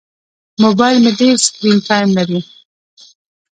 موبایل مې ډېر سکرین ټایم لري.